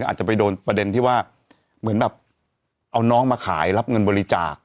อาจจะไปโดนประเด็นที่ว่าเหมือนแบบเอาน้องมาขายรับเงินบริจาค